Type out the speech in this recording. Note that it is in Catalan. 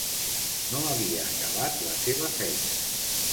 No havia acabat la seva feina.